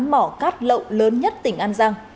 mỏ cắt lậu lớn nhất tỉnh an giang